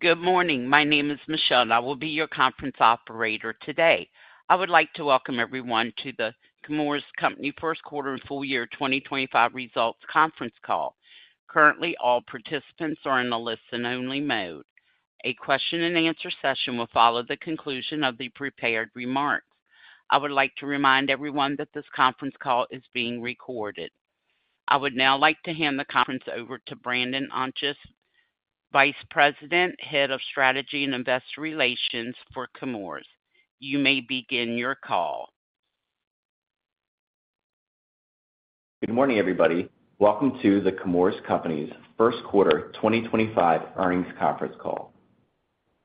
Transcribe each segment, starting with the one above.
Good morning. My name is Michelle. I will be your conference operator today. I would like to welcome everyone to The Chemours Company First Quarter and Full Year 2025 Results Conference Call. Currently, all participants are in a listen-only mode. A question-and-answer session will follow the conclusion of the prepared remarks. I would like to remind everyone that this conference call is being recorded. I would now like to hand the conference over to Brandon Ontjes, Vice President, Head of Strategy and Investor Relations for Chemours. You may begin your call. Good morning, everybody. Welcome to The Chemours Company's First Quarter 2025 Earnings Conference Call.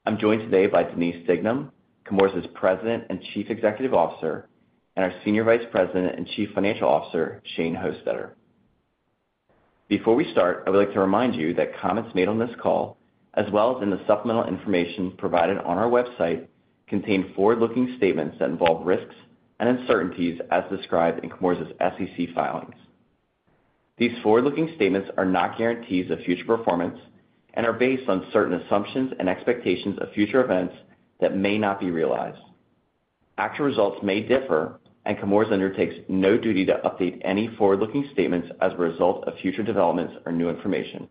I'm joined today by Denise Dignam, Chemours' President and Chief Executive Officer, and our Senior Vice President and Chief Financial Officer, Shane Hostetter. Before we start, I would like to remind you that comments made on this call, as well as in the supplemental information provided on our website, contain forward-looking statements that involve risks and uncertainties as described in Chemours' SEC filings. These forward-looking statements are not guarantees of future performance and are based on certain assumptions and expectations of future events that may not be realized. Actual results may differ, and Chemours undertakes no duty to update any forward-looking statements as a result of future developments or new information.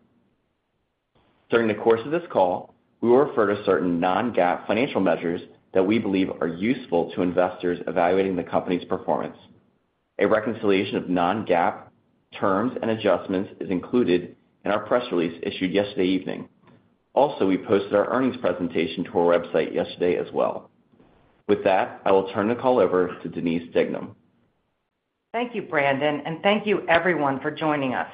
During the course of this call, we will refer to certain non-GAAP financial measures that we believe are useful to investors evaluating the company's performance. A reconciliation of non-GAAP terms and adjustments is included in our press release issued yesterday evening. Also, we posted our earnings presentation to our website yesterday as well. With that, I will turn the call over to Denise Dignam. Thank you, Brandon, and thank you, everyone, for joining us.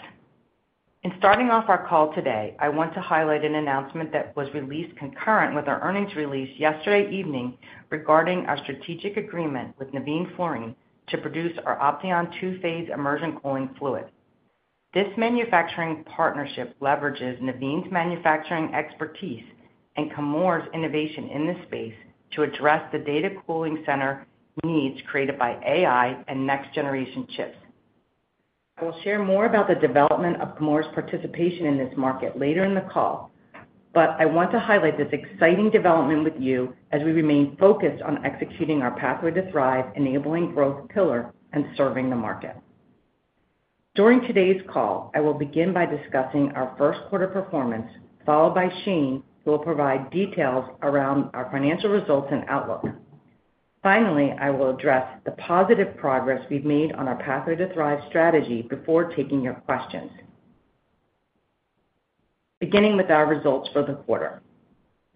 In starting off our call today, I want to highlight an announcement that was released concurrent with our earnings release yesterday evening regarding our strategic agreement with Navin Fluorine to produce our Opteon Two-Phase Immersion Cooling Fluid. This manufacturing partnership leverages Navin's manufacturing expertise and Chemours' innovation in this space to address the data center cooling needs created by AI and next-generation chips. I will share more about the development of Chemours' participation in this market later in the call, but I want to highlight this exciting development with you as we remain focused on executing our Pathway to Thrive, Enabling Growth pillar and serving the market. During today's call, I will begin by discussing our first quarter performance, followed by Shane, who will provide details around our financial results and outlook. Finally, I will address the positive progress we've made on our Pathway to Thrive strategy before taking your questions. Beginning with our results for the quarter.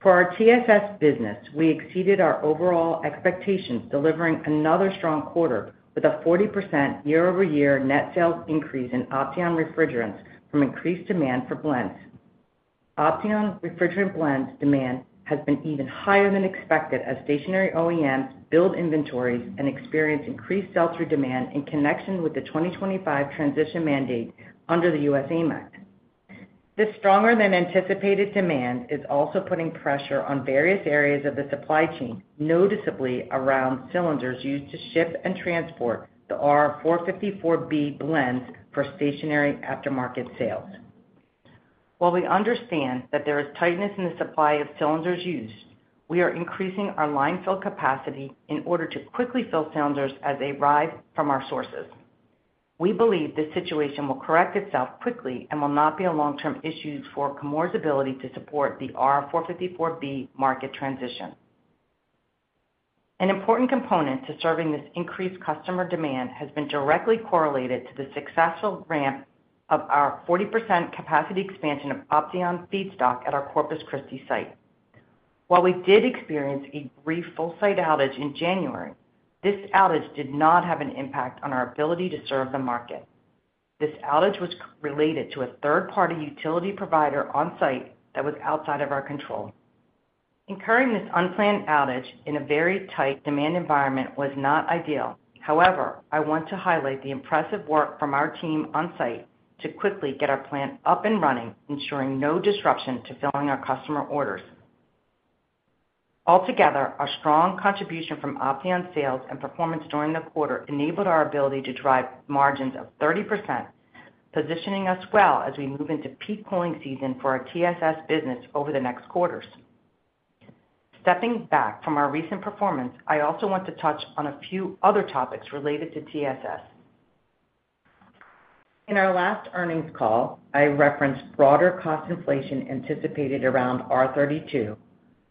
For our TSS business, we exceeded our overall expectations, delivering another strong quarter with a 40% year-over-year net sales increase in Opteon Refrigerants from increased demand for blends. Opteon Refrigerant blends demand has been even higher than expected as stationary OEMs build inventories and experience increased sell-through demand in connection with the 2025 transition mandate under the U.S. AIM Act. This stronger-than-anticipated demand is also putting pressure on various areas of the supply chain, noticeably around cylinders used to ship and transport the R-454B blends for stationary aftermarket sales. While we understand that there is tightness in the supply of cylinders used, we are increasing our line fill capacity in order to quickly fill cylinders as they arrive from our sources. We believe this situation will correct itself quickly and will not be a long-term issue for Chemours' ability to support the R-454B market transition. An important component to serving this increased customer demand has been directly correlated to the successful ramp of our 40% capacity expansion of Opteon feedstock at our Corpus Christi site. While we did experience a brief full-site outage in January, this outage did not have an impact on our ability to serve the market. This outage was related to a third-party utility provider on-site that was outside of our control. Incurring this unplanned outage in a very tight demand environment was not ideal. However, I want to highlight the impressive work from our team on-site to quickly get our plant up and running, ensuring no disruption to filling our customer orders. Altogether, our strong contribution from Opteon sales and performance during the quarter enabled our ability to drive margins of 30%, positioning us well as we move into peak cooling season for our TSS business over the next quarters. Stepping back from our recent performance, I also want to touch on a few other topics related to TSS. In our last earnings call, I referenced broader cost inflation anticipated around R32,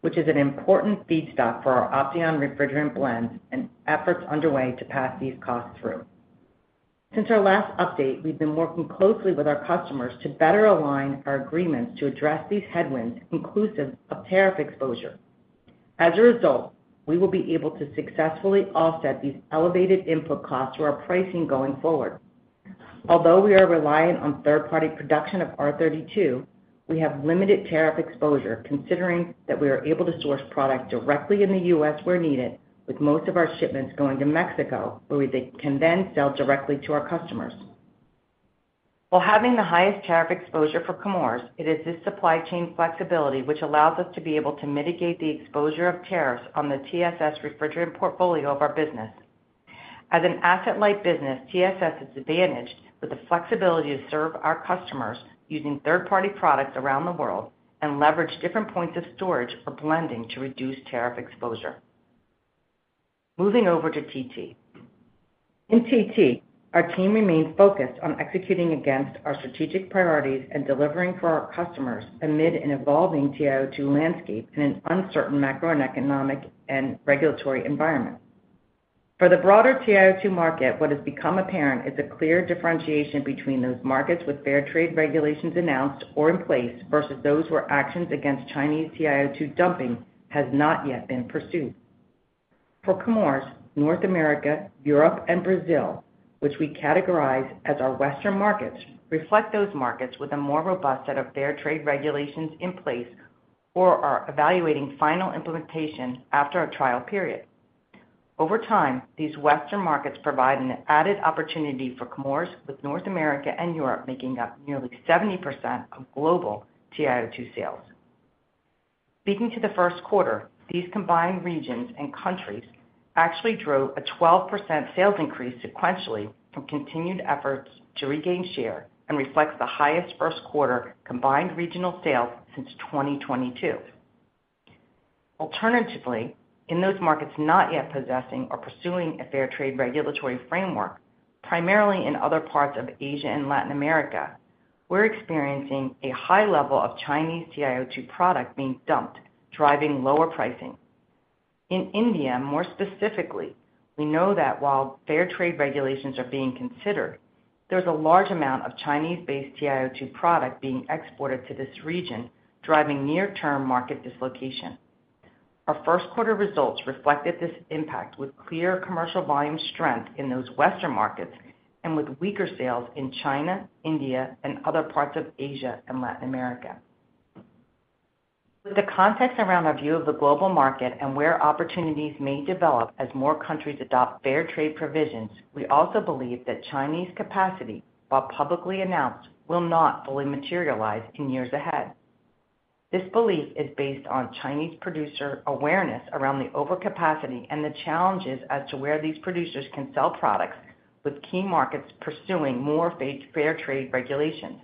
which is an important feedstock for our Opteon Refrigerant blends and efforts underway to pass these costs through. Since our last update, we've been working closely with our customers to better align our agreements to address these headwinds, inclusive of tariff exposure. As a result, we will be able to successfully offset these elevated input costs through our pricing going forward. Although we are reliant on third-party production of R32, we have limited tariff exposure, considering that we are able to source product directly in the US where needed, with most of our shipments going to Mexico, where they can then sell directly to our customers. While having the highest tariff exposure for Chemours, it is this supply chain flexibility which allows us to be able to mitigate the exposure of tariffs on the TSS refrigerant portfolio of our business. As an asset-light business, TSS is advantaged with the flexibility to serve our customers using third-party products around the world and leverage different points of storage or blending to reduce tariff exposure. Moving over to TT. In TT, our team remains focused on executing against our strategic priorities and delivering for our customers amid an evolving TiO2 landscape in an uncertain macroeconomic and regulatory environment. For the broader TiO2 market, what has become apparent is a clear differentiation between those markets with fair trade regulations announced or in place versus those where actions against Chinese TiO2 dumping have not yet been pursued. For Chemours, North America, Europe, and Brazil, which we categorize as our Western markets, reflect those markets with a more robust set of fair trade regulations in place or are evaluating final implementation after a trial period. Over time, these Western markets provide an added opportunity for Chemours, with North America and Europe making up nearly 70% of global TiO2 sales. Speaking to the first quarter, these combined regions and countries actually drove a 12% sales increase sequentially from continued efforts to regain share and reflects the highest first quarter combined regional sales since 2022. Alternatively, in those markets not yet possessing or pursuing a fair trade regulatory framework, primarily in other parts of Asia and Latin America, we're experiencing a high level of Chinese TiO2 product being dumped, driving lower pricing. In India, more specifically, we know that while fair trade regulations are being considered, there's a large amount of Chinese-based TiO2 product being exported to this region, driving near-term market dislocation. Our first quarter results reflected this impact with clear commercial volume strength in those Western markets and with weaker sales in China, India, and other parts of Asia and Latin America. With the context around our view of the global market and where opportunities may develop as more countries adopt fair trade provisions, we also believe that Chinese capacity, while publicly announced, will not fully materialize in years ahead. This belief is based on Chinese producer awareness around the overcapacity and the challenges as to where these producers can sell products, with key markets pursuing more fair trade regulations.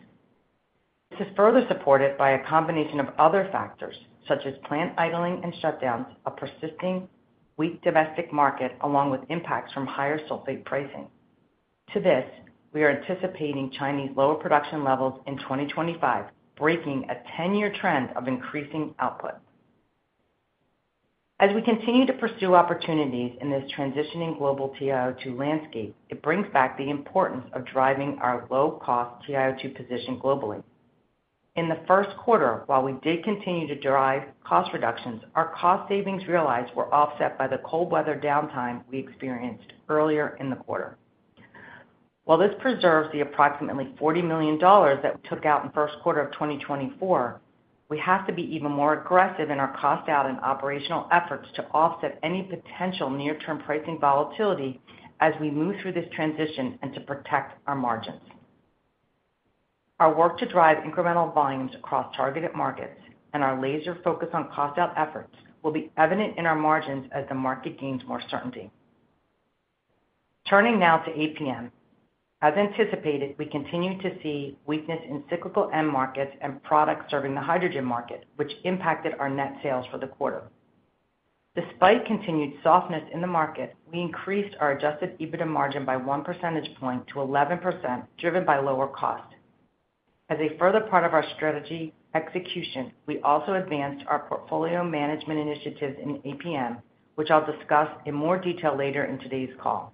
This is further supported by a combination of other factors, such as plant idling and shutdowns, a persisting weak domestic market, along with impacts from higher sulfate pricing. To this, we are anticipating Chinese lower production levels in 2025, breaking a 10-year trend of increasing output. As we continue to pursue opportunities in this transitioning global TiO2 landscape, it brings back the importance of driving our low-cost TiO2 position globally. In the first quarter, while we did continue to drive cost reductions, our cost savings realized were offset by the cold weather downtime we experienced earlier in the quarter. While this preserves the approximately $40 million that we took out in the first quarter of 2024, we have to be even more aggressive in our cost-out and operational efforts to offset any potential near-term pricing volatility as we move through this transition and to protect our margins. Our work to drive incremental volumes across targeted markets and our laser focus on cost-out efforts will be evident in our margins as the market gains more certainty. Turning now to APM, as anticipated, we continue to see weakness in cyclical end markets and products serving the hydrogen market, which impacted our net sales for the quarter. Despite continued softness in the market, we increased our adjusted EBITDA margin by one percentage point to 11%, driven by lower cost. As a further part of our strategy execution, we also advanced our portfolio management initiatives in APM, which I'll discuss in more detail later in today's call.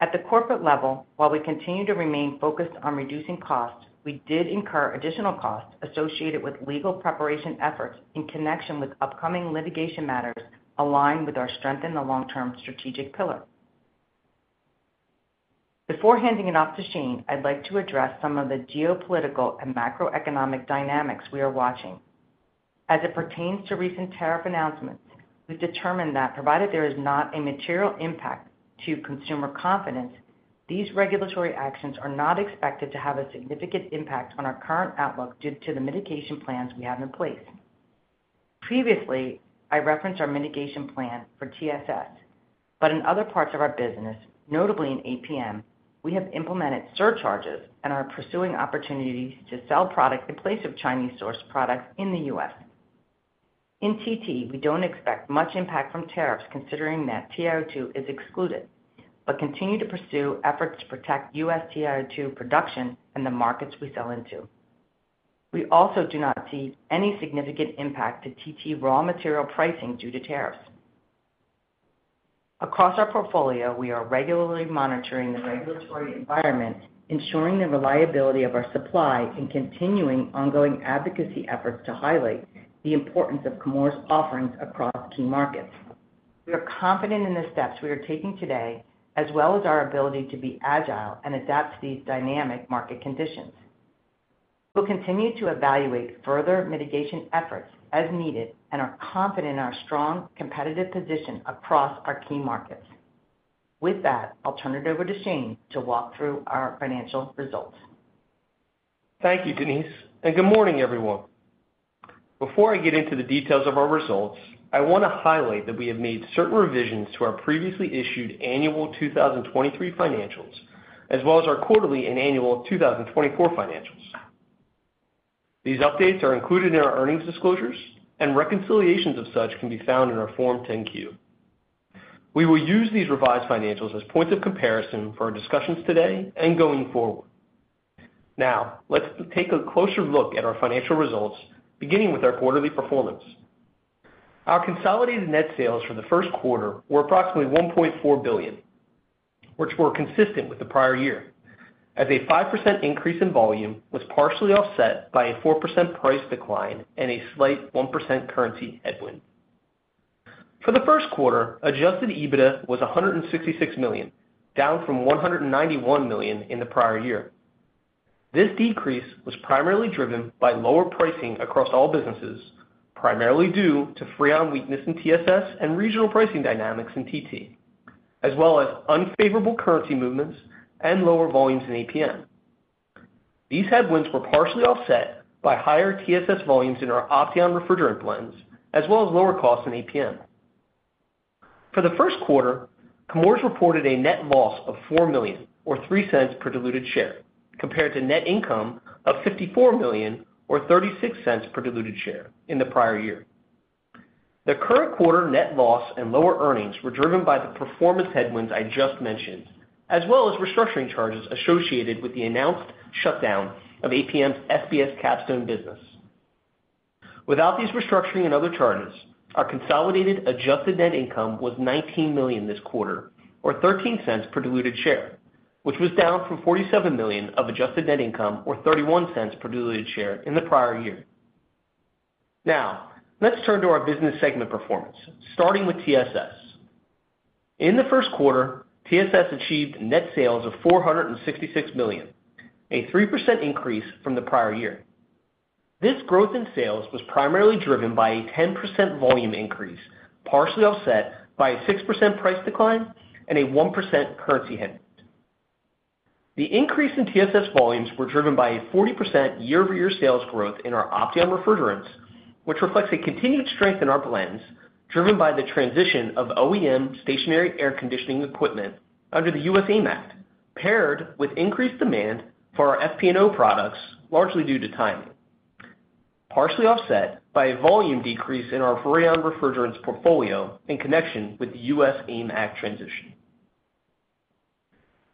At the corporate level, while we continue to remain focused on reducing costs, we did incur additional costs associated with legal preparation efforts in connection with upcoming litigation matters aligned with our strength in the long-term strategic pillar. Before handing it off to Shane, I'd like to address some of the geopolitical and macroeconomic dynamics we are watching. As it pertains to recent tariff announcements, we've determined that provided there is not a material impact to consumer confidence, these regulatory actions are not expected to have a significant impact on our current outlook due to the mitigation plans we have in place. Previously, I referenced our mitigation plan for TSS, but in other parts of our business, notably in APM, we have implemented surcharges and are pursuing opportunities to sell product in place of Chinese-sourced products in the U.S. In TT, we do not expect much impact from tariffs considering that TiO2 is excluded, but continue to pursue efforts to protect U.S. TiO2 production and the markets we sell into. We also do not see any significant impact to TT raw material pricing due to tariffs. Across our portfolio, we are regularly monitoring the regulatory environment, ensuring the reliability of our supply, and continuing ongoing advocacy efforts to highlight the importance of Chemours' offerings across key markets. We are confident in the steps we are taking today, as well as our ability to be agile and adapt to these dynamic market conditions. We'll continue to evaluate further mitigation efforts as needed and are confident in our strong competitive position across our key markets. With that, I'll turn it over to Shane to walk through our financial results. Thank you, Denise. And good morning, everyone. Before I get into the details of our results, I want to highlight that we have made certain revisions to our previously issued annual 2023 financials, as well as our quarterly and annual 2024 financials. These updates are included in our earnings disclosures, and reconciliations of such can be found in our Form 10-Q. We will use these revised financials as points of comparison for our discussions today and going forward. Now, let's take a closer look at our financial results, beginning with our quarterly performance. Our consolidated net sales for the first quarter were approximately $1.4 billion, which were consistent with the prior year, as a 5% increase in volume was partially offset by a 4% price decline and a slight 1% currency headwind. For the first quarter, adjusted EBITDA was $166 million, down from $191 million in the prior year. This decrease was primarily driven by lower pricing across all businesses, primarily due to Freon weakness in TSS and regional pricing dynamics in TT, as well as unfavorable currency movements and lower volumes in APM. These headwinds were partially offset by higher TSS volumes in our Opteon Refrigerant blends, as well as lower costs in APM. For the first quarter, Chemours reported a net loss of $4 million, or $0.03 per diluted share, compared to net income of $54 million, or $0.36 per diluted share, in the prior year. The current quarter net loss and lower earnings were driven by the performance headwinds I just mentioned, as well as restructuring charges associated with the announced shutdown of APM's SBS Capstone business. Without these restructuring and other charges, our consolidated adjusted net income was $19 million this quarter, or $0.13 per diluted share, which was down from $47 million of adjusted net income, or $0.31 per diluted share, in the prior year. Now, let's turn to our business segment performance, starting with TSS. In the first quarter, TSS achieved net sales of $466 million, a 3% increase from the prior year. This growth in sales was primarily driven by a 10% volume increase, partially offset by a 6% price decline and a 1% currency headwind. The increase in TSS volumes was driven by a 40% year-over-year sales growth in our Opteon Refrigerants, which reflects a continued strength in our blends, driven by the transition of OEM stationary air conditioning equipment under the U.S. AIM Act, paired with increased demand for our FP&O products, largely due to timing, partially offset by a volume decrease in our Freon refrigerants portfolio in connection with the U.S. AIM Act transition.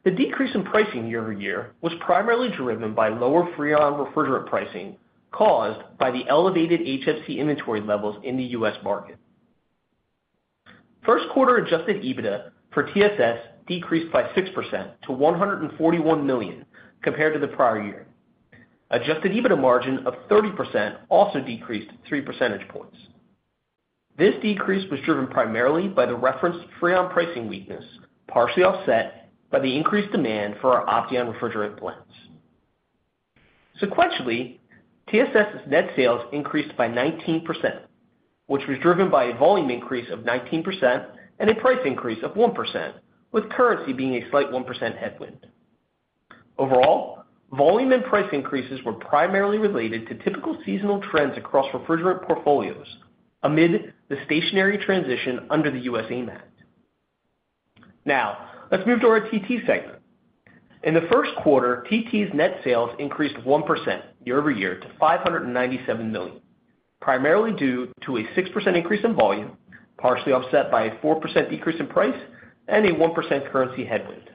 The decrease in pricing year-over-year was primarily driven by lower Freon refrigerant pricing caused by the elevated HFC inventory levels in the U.S. market. First quarter adjusted EBITDA for TSS decreased by 6% to $141 million, compared to the prior year. Adjusted EBITDA margin of 30% also decreased 3 percentage points. This decrease was driven primarily by the referenced Freon pricing weakness, partially offset by the increased demand for our Opteon Refrigerant blends. Sequentially, TSS's net sales increased by 19%, which was driven by a volume increase of 19% and a price increase of 1%, with currency being a slight 1% headwind. Overall, volume and price increases were primarily related to typical seasonal trends across refrigerant portfolios amid the stationary transition under the US AIM Act. Now, let's move to our TT segment. In the first quarter, TT's net sales increased 1% year-over-year to $597 million, primarily due to a 6% increase in volume, partially offset by a 4% decrease in price and a 1% currency headwind.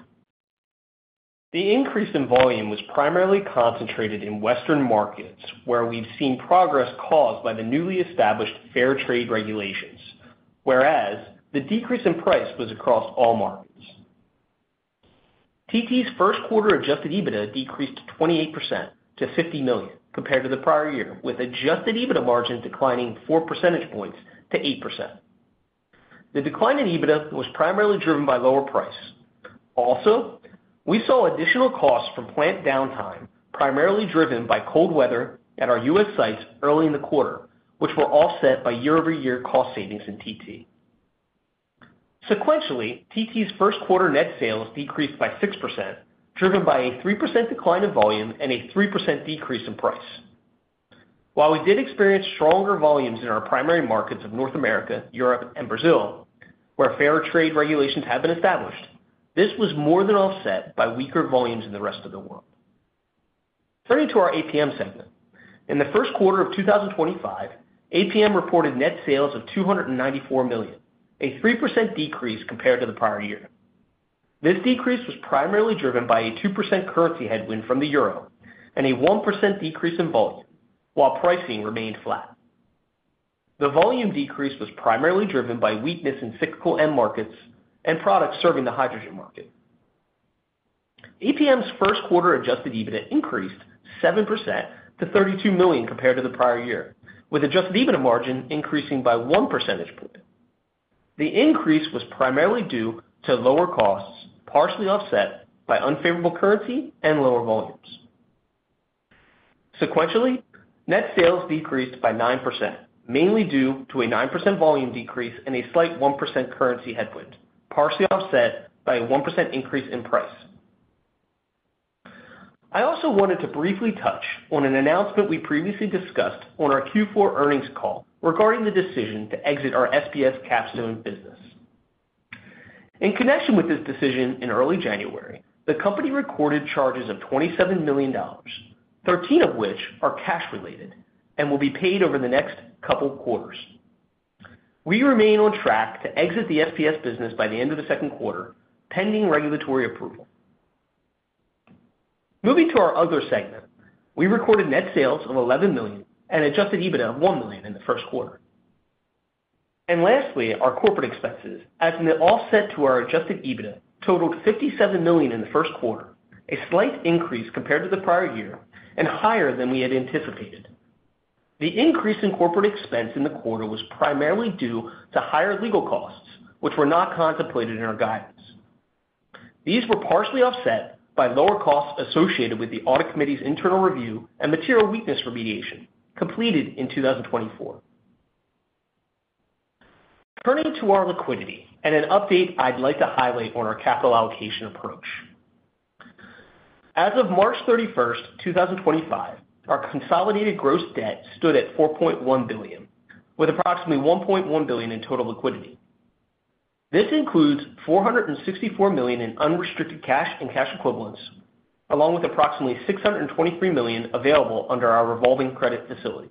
The increase in volume was primarily concentrated in Western markets, where we've seen progress caused by the newly established fair trade regulations, whereas the decrease in price was across all markets. TT's first quarter adjusted EBITDA decreased 28% to $50 million, compared to the prior year, with adjusted EBITDA margin declining four percentage points to 8%. The decline in EBITDA was primarily driven by lower price. Also, we saw additional costs from plant downtime, primarily driven by cold weather at our U.S. sites early in the quarter, which were offset by year-over-year cost savings in TT. Sequentially, TT's first quarter net sales decreased by 6%, driven by a 3% decline in volume and a 3% decrease in price. While we did experience stronger volumes in our primary markets of North America, Europe, and Brazil, where fair trade regulations have been established, this was more than offset by weaker volumes in the rest of the world. Turning to our APM segment. In the first quarter of 2025, APM reported net sales of $294 million, a 3% decrease compared to the prior year. This decrease was primarily driven by a 2% currency headwind from the euro and a 1% decrease in volume, while pricing remained flat. The volume decrease was primarily driven by weakness in cyclical end markets and products serving the hydrogen market. APM's first quarter adjusted EBITDA increased 7% to $32 million compared to the prior year, with adjusted EBITDA margin increasing by 1 percentage point. The increase was primarily due to lower costs, partially offset by unfavorable currency and lower volumes. Sequentially, net sales decreased by 9%, mainly due to a 9% volume decrease and a slight 1% currency headwind, partially offset by a 1% increase in price. I also wanted to briefly touch on an announcement we previously discussed on our Q4 earnings call regarding the decision to exit our SBS capstone business. In connection with this decision in early January, the company recorded charges of $27 million, 13 of which are cash-related and will be paid over the next couple of quarters. We remain on track to exit the SBS business by the end of the second quarter, pending regulatory approval. Moving to our other segment, we recorded net sales of $11 million and adjusted EBITDA of $1 million in the first quarter. Lastly, our corporate expenses, as an offset to our adjusted EBITDA, totaled $57 million in the first quarter, a slight increase compared to the prior year and higher than we had anticipated. The increase in corporate expense in the quarter was primarily due to higher legal costs, which were not contemplated in our guidance. These were partially offset by lower costs associated with the Audit Committee's internal review and material weakness remediation completed in 2024. Turning to our liquidity and an update I'd like to highlight on our capital allocation approach. As of March 31st, 2025, our consolidated gross debt stood at $4.1 billion, with approximately $1.1 billion in total liquidity. This includes $464 million in unrestricted cash and cash equivalents, along with approximately $623 million available under our revolving credit facility.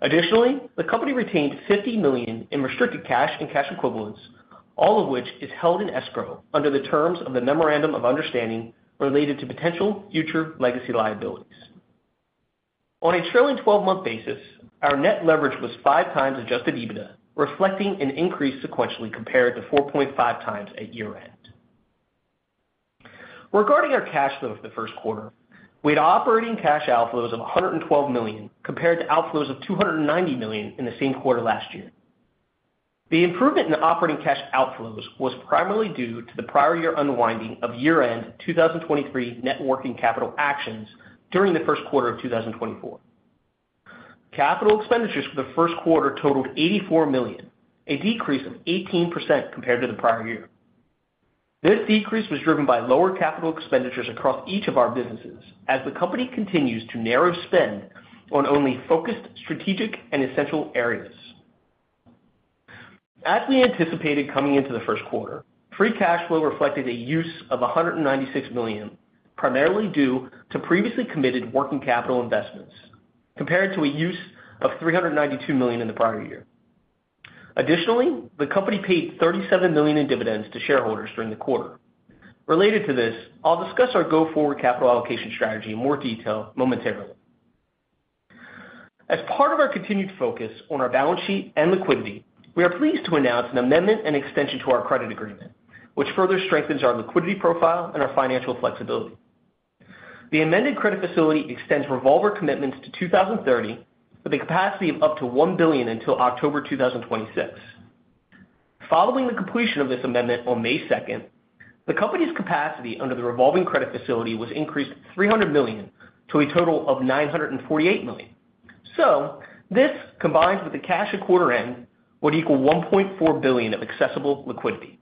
Additionally, the company retained $50 million in restricted cash and cash equivalents, all of which is held in escrow under the terms of the memorandum of understanding related to potential future legacy liabilities. On a trailing 12-month basis, our net leverage was five times adjusted EBITDA, reflecting an increase sequentially compared to 4.5 times at year-end. Regarding our cash flow for the first quarter, we had operating cash outflows of $112 million compared to outflows of $290 million in the same quarter last year. The improvement in operating cash outflows was primarily due to the prior year unwinding of year-end 2023 networking capital actions during the first quarter of 2024. Capital expenditures for the first quarter totaled $84 million, a decrease of 18% compared to the prior year. This decrease was driven by lower capital expenditures across each of our businesses, as the company continues to narrow spend on only focused strategic and essential areas. As we anticipated coming into the first quarter, free cash flow reflected a use of $196 million, primarily due to previously committed working capital investments, compared to a use of $392 million in the prior year. Additionally, the company paid $37 million in dividends to shareholders during the quarter. Related to this, I'll discuss our go-forward capital allocation strategy in more detail momentarily. As part of our continued focus on our balance sheet and liquidity, we are pleased to announce an amendment and extension to our credit agreement, which further strengthens our liquidity profile and our financial flexibility. The amended credit facility extends Revolver commitments to 2030, with a capacity of up to $1 billion until October 2026. Following the completion of this amendment on May 2nd, the company's capacity under the revolving credit facility was increased $300 million to a total of $948 million. This, combined with the cash at quarter end, would equal $1.4 billion of accessible liquidity.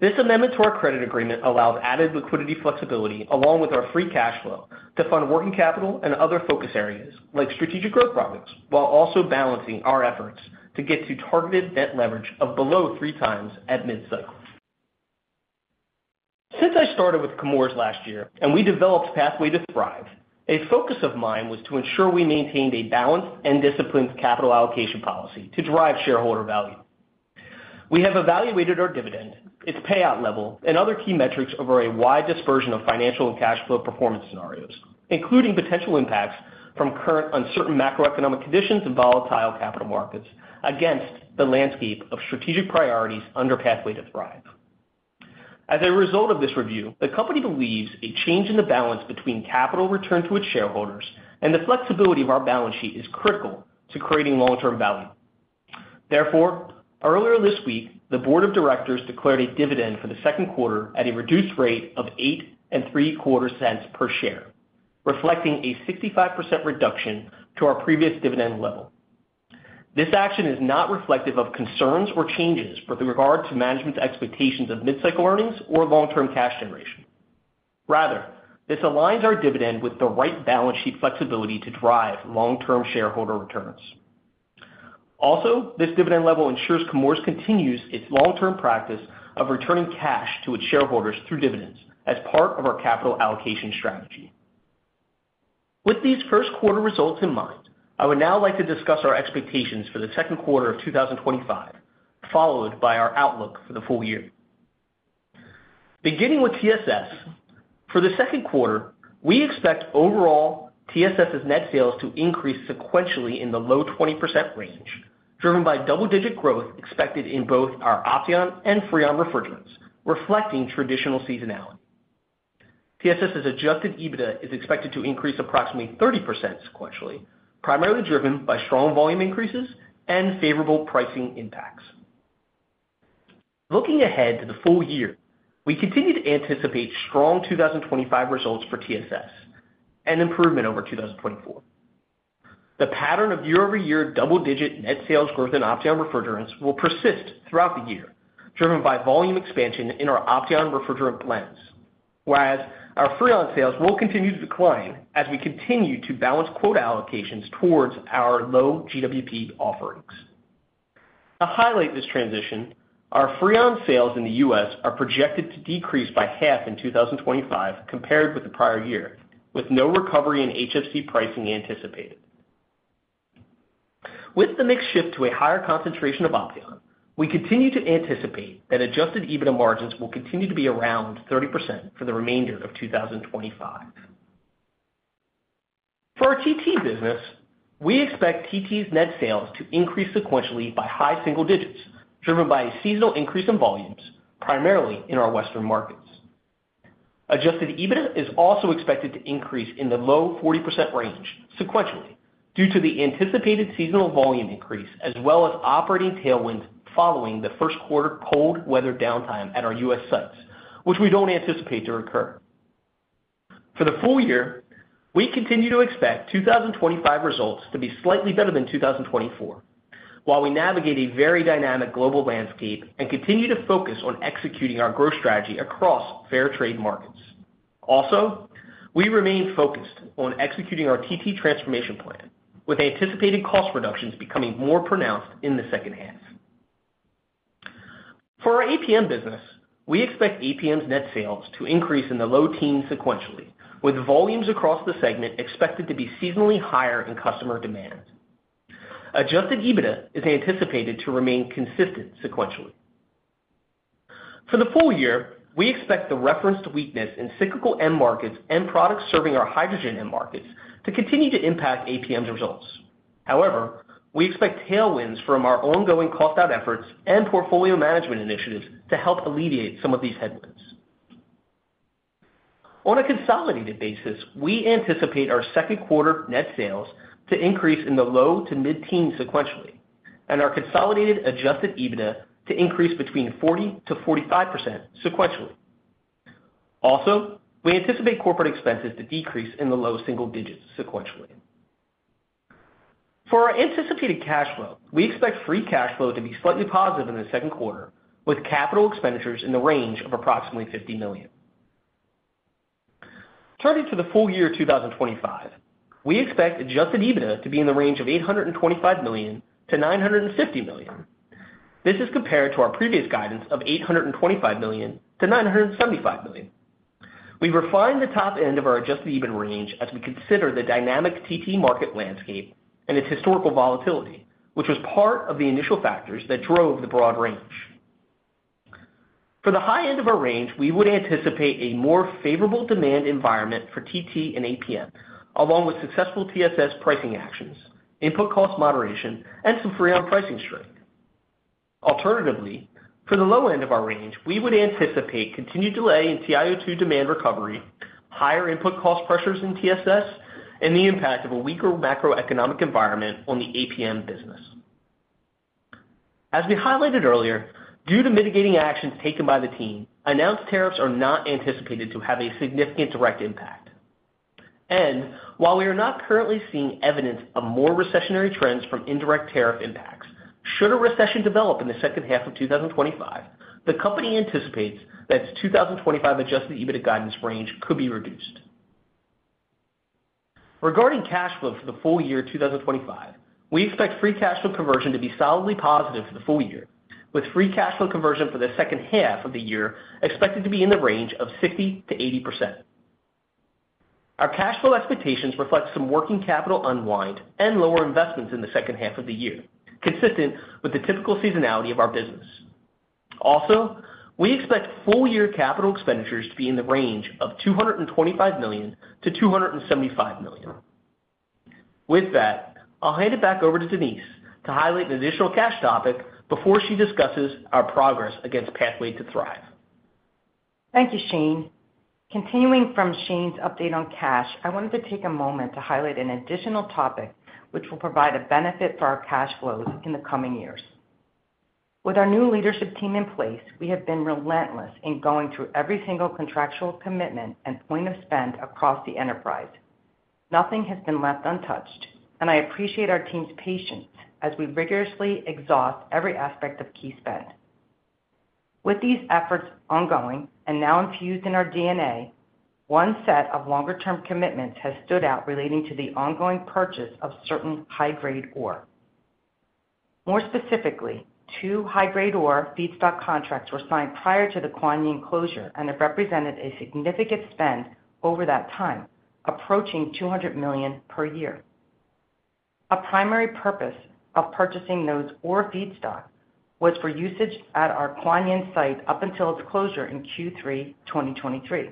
This amendment to our credit agreement allows added liquidity flexibility, along with our free cash flow, to fund working capital and other focus areas, like strategic growth projects, while also balancing our efforts to get to targeted net leverage of below three times at mid-cycle. Since I started with Chemours last year and we developed Pathway to Thrive, a focus of mine was to ensure we maintained a balanced and disciplined capital allocation policy to drive shareholder value. We have evaluated our dividend, its payout level, and other key metrics over a wide dispersion of financial and cash flow performance scenarios, including potential impacts from current uncertain macroeconomic conditions and volatile capital markets, against the landscape of strategic priorities under Pathway to Thrive. As a result of this review, the company believes a change in the balance between capital returned to its shareholders and the flexibility of our balance sheet is critical to creating long-term value. Therefore, earlier this week, the board of directors declared a dividend for the second quarter at a reduced rate of $0.08 and $0.03 per share, reflecting a 65% reduction to our previous dividend level. This action is not reflective of concerns or changes with regard to management's expectations of mid-cycle earnings or long-term cash generation. Rather, this aligns our dividend with the right balance sheet flexibility to drive long-term shareholder returns. Also, this dividend level ensures Chemours continues its long-term practice of returning cash to its shareholders through dividends as part of our capital allocation strategy. With these first quarter results in mind, I would now like to discuss our expectations for the second quarter of 2025, followed by our outlook for the full year. Beginning with TSS, for the second quarter, we expect overall TSS's net sales to increase sequentially in the low 20% range, driven by double-digit growth expected in both our Opteon and Freon refrigerants, reflecting traditional seasonality. TSS's adjusted EBITDA is expected to increase approximately 30% sequentially, primarily driven by strong volume increases and favorable pricing impacts. Looking ahead to the full year, we continue to anticipate strong 2025 results for TSS and improvement over 2024. The pattern of year-over-year double-digit net sales growth in Opteon refrigerants will persist throughout the year, driven by volume expansion in our Opteon refrigerant blends, whereas our Freon sales will continue to decline as we continue to balance quota allocations towards our low GWP offerings. To highlight this transition, our Freon sales in the US are projected to decrease by half in 2025 compared with the prior year, with no recovery in HFC pricing anticipated. With the mix shift to a higher concentration of Opteon, we continue to anticipate that adjusted EBITDA margins will continue to be around 30% for the remainder of 2025. For our TT business, we expect TT's net sales to increase sequentially by high single digits, driven by a seasonal increase in volumes, primarily in our Western markets. Adjusted EBITDA is also expected to increase in the low 40% range sequentially due to the anticipated seasonal volume increase, as well as operating tailwinds following the first quarter cold weather downtime at our US sites, which we do not anticipate to occur. For the full year, we continue to expect 2025 results to be slightly better than 2024, while we navigate a very dynamic global landscape and continue to focus on executing our growth strategy across fair trade markets. Also, we remain focused on executing our TT transformation plan, with anticipated cost reductions becoming more pronounced in the second half. For our APM business, we expect APM's net sales to increase in the low teens sequentially, with volumes across the segment expected to be seasonally higher in customer demand. Adjusted EBITDA is anticipated to remain consistent sequentially. For the full year, we expect the reference to weakness in cyclical end markets and products serving our hydrogen end markets to continue to impact APM's results. However, we expect tailwinds from our ongoing cost-out efforts and portfolio management initiatives to help alleviate some of these headwinds. On a consolidated basis, we anticipate our second quarter net sales to increase in the low to mid-teens sequentially, and our consolidated adjusted EBITDA to increase between 40%-45% sequentially. Also, we anticipate corporate expenses to decrease in the low single digits sequentially. For our anticipated cash flow, we expect free cash flow to be slightly positive in the second quarter, with capital expenditures in the range of approximately $50 million. Turning to the full year 2025, we expect adjusted EBITDA to be in the range of $825 million-$950 million. This is compared to our previous guidance of $825 million-$975 million. We refine the top end of our adjusted EBITDA range as we consider the dynamic TT market landscape and its historical volatility, which was part of the initial factors that drove the broad range. For the high end of our range, we would anticipate a more favorable demand environment for TT and APM, along with successful TSS pricing actions, input cost moderation, and some Freon pricing strength. Alternatively, for the low end of our range, we would anticipate continued delay in TiO2 demand recovery, higher input cost pressures in TSS, and the impact of a weaker macroeconomic environment on the APM business. As we highlighted earlier, due to mitigating actions taken by the team, announced tariffs are not anticipated to have a significant direct impact. While we are not currently seeing evidence of more recessionary trends from indirect tariff impacts, should a recession develop in the second half of 2025, the company anticipates that its 2025 adjusted EBITDA guidance range could be reduced. Regarding cash flow for the full year 2025, we expect free cash flow conversion to be solidly positive for the full year, with free cash flow conversion for the second half of the year expected to be in the range of 60%-80%. Our cash flow expectations reflect some working capital unwind and lower investments in the second half of the year, consistent with the typical seasonality of our business. Also, we expect full-year capital expenditures to be in the range of $225 million-$275 million. With that, I'll hand it back over to Denise to highlight an additional cash topic before she discusses our progress against Pathway to Thrive. Thank you, Shane. Continuing from Shane's update on cash, I wanted to take a moment to highlight an additional topic which will provide a benefit for our cash flows in the coming years. With our new leadership team in place, we have been relentless in going through every single contractual commitment and point of spend across the enterprise. Nothing has been left untouched, and I appreciate our team's patience as we rigorously exhaust every aspect of key spend. With these efforts ongoing and now infused in our DNA, one set of longer-term commitments has stood out relating to the ongoing purchase of certain high-grade ore. More specifically, two high-grade ore feedstock contracts were signed prior to the Kuan Yin closure, and it represented a significant spend over that time, approaching $200 million per year. A primary purpose of purchasing those ore feedstock was for usage at our Kuan Yin site up until its closure in Q3 2023.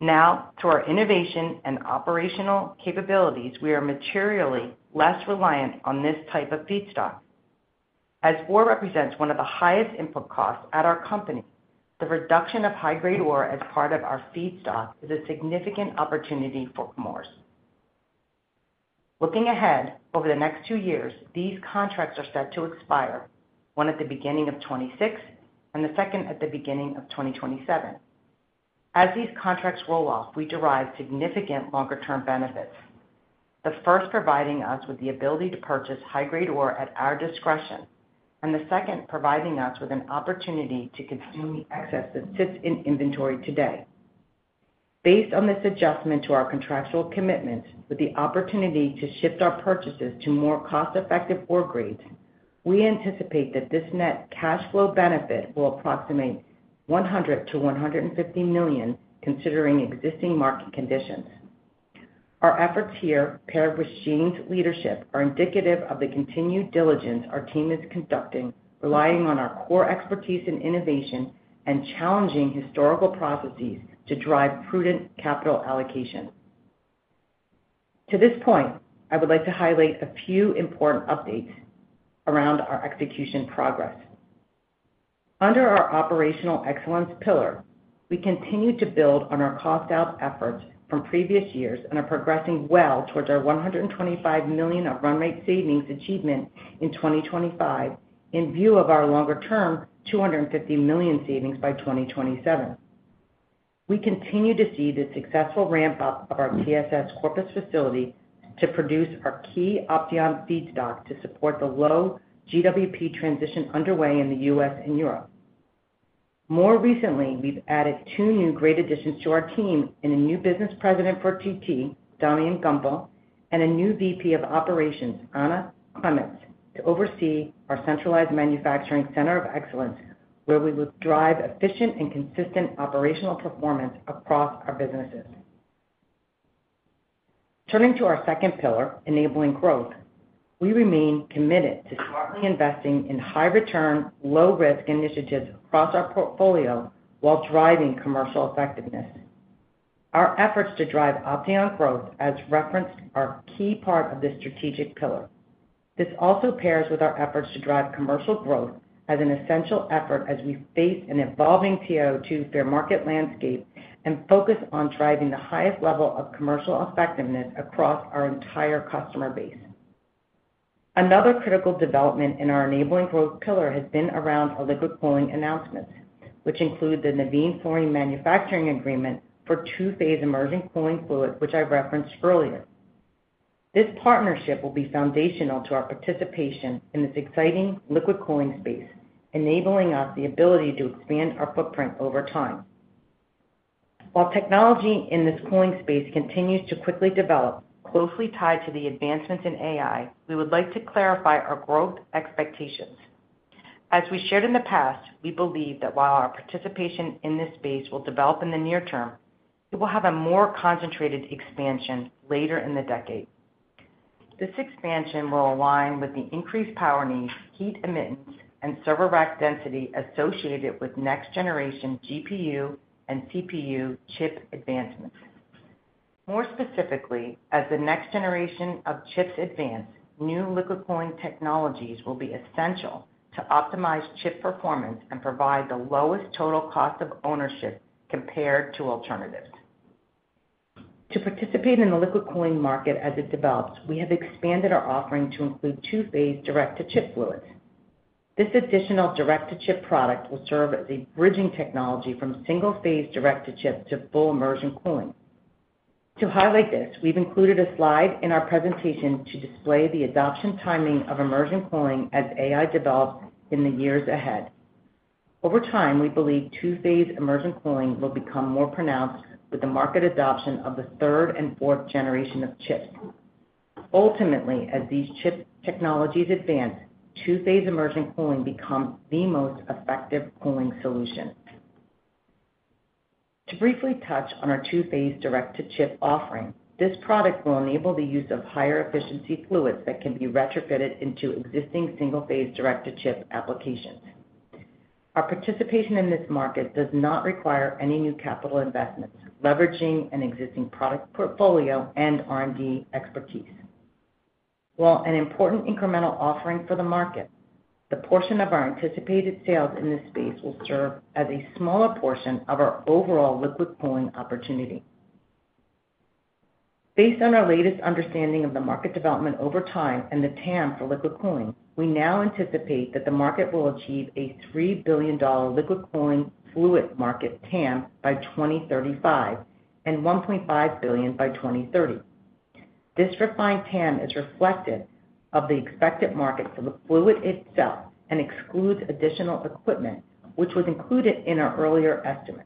Now, through our innovation and operational capabilities, we are materially less reliant on this type of feedstock. As ore represents one of the highest input costs at our company, the reduction of high-grade ore as part of our feedstock is a significant opportunity for Chemours. Looking ahead over the next two years, these contracts are set to expire, one at the beginning of 2026 and the second at the beginning of 2027. As these contracts roll off, we derive significant longer-term benefits, the first providing us with the ability to purchase high-grade ore at our discretion, and the second providing us with an opportunity to consume the excess that sits in inventory today. Based on this adjustment to our contractual commitments, with the opportunity to shift our purchases to more cost-effective ore grades, we anticipate that this net cash flow benefit will approximate $100 million-$150 million, considering existing market conditions. Our efforts here, paired with Shane's leadership, are indicative of the continued diligence our team is conducting, relying on our core expertise in innovation and challenging historical processes to drive prudent capital allocation. To this point, I would like to highlight a few important updates around our execution progress. Under our Operational Excellence pillar, we continue to build on our cost-out efforts from previous years and are progressing well towards our $125 million of run rate savings achievement in 2025, in view of our longer-term $250 million savings by 2027. We continue to see the successful ramp-up of our TSS Corpus Christi facility to produce our key Opteon feedstock to support the low GWP transition underway in the U.S. and Europe. More recently, we've added two new grade additions to our team and a new business president for Titanium Technologies, Damian Gumbel, and a new VP of Operations, Anna Clements, to oversee our centralized manufacturing center of excellence, where we will drive efficient and consistent operational performance across our businesses. Turning to our second pillar, Enabling Growth, we remain committed to smartly investing in high-return, low-risk initiatives across our portfolio while driving commercial effectiveness. Our efforts to drive Opteon growth, as referenced, are a key part of this strategic pillar. This also pairs with our efforts to drive commercial growth as an essential effort as we face an evolving TiO2 fair market landscape and focus on driving the highest level of commercial effectiveness across our entire customer base. Another critical development in our Enabling Growth pillar has been around our liquid cooling announcements, which include the Navin Fluorine manufacturing agreement for two-phase immersion cooling fluid, which I referenced earlier. This partnership will be foundational to our participation in this exciting liquid cooling space, enabling us the ability to expand our footprint over time. While technology in this cooling space continues to quickly develop, closely tied to the advancements in AI, we would like to clarify our growth expectations. As we shared in the past, we believe that while our participation in this space will develop in the near term, it will have a more concentrated expansion later in the decade. This expansion will align with the increased power needs, heat emittance, and server rack density associated with next-generation GPU and CPU chip advancements. More specifically, as the next generation of chips advance, new liquid cooling technologies will be essential to optimize chip performance and provide the lowest total cost of ownership compared to alternatives. To participate in the liquid cooling market as it develops, we have expanded our offering to include two-phase direct-to-chip fluids. This additional direct-to-chip product will serve as a bridging technology from single-phase direct-to-chip to full immersion cooling. To highlight this, we've included a slide in our presentation to display the adoption timing of immersion cooling as AI develops in the years ahead. Over time, we believe two-phase immersion cooling will become more pronounced with the market adoption of the third and fourth generation of chips. Ultimately, as these chip technologies advance, two-phase immersion cooling becomes the most effective cooling solution. To briefly touch on our two-phase direct-to-chip offering, this product will enable the use of higher efficiency fluids that can be retrofitted into existing single-phase direct-to-chip applications. Our participation in this market does not require any new capital investments, leveraging an existing product portfolio and R&D expertise. While an important incremental offering for the market, the portion of our anticipated sales in this space will serve as a smaller portion of our overall liquid cooling opportunity. Based on our latest understanding of the market development over time and the TAM for liquid cooling, we now anticipate that the market will achieve a $3 billion liquid cooling fluid market TAM by 2035 and $1.5 billion by 2030. This refined TAM is reflective of the expected market for the fluid itself and excludes additional equipment, which was included in our earlier estimate.